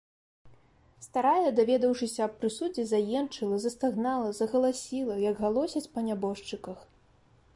Старая, даведаўшыся аб прысудзе, заенчыла, застагнала, загаласіла, як галосяць па нябожчыках.